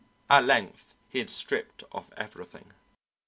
At length he had stripped off everything.